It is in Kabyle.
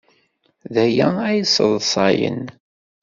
D aya ay yesseḍsayen.